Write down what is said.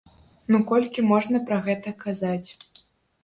Ну колькі можна пра гэта казаць.